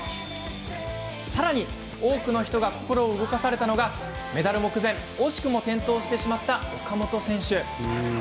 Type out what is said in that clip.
さらに多くの人が心を動かされたのがメダル目前、惜しくも転倒してしまった岡本選手。